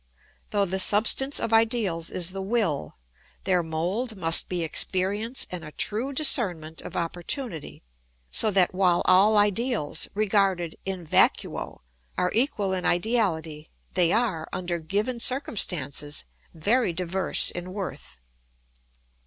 Though the substance of ideals is the will, their mould must be experience and a true discernment of opportunity; so that while all ideals, regarded in vacuo, are equal in ideality, they are, under given circumstances, very diverse in worth.